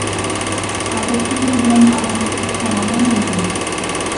ئادەتتىكى چوكا بىلەنمۇ ئادەم ئۆلتۈرۈش تامامەن مۇمكىن.